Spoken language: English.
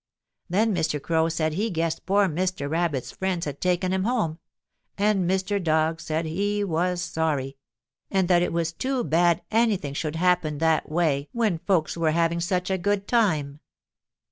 Then Mr. Crow said he guessed poor Mr. Rabbit's friends had taken him home, and Mr. Dog said he was sorry, and that it was too bad anything should happen that way when folks were having such a good time.